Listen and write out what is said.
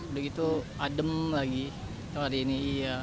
udah gitu adem lagi hari ini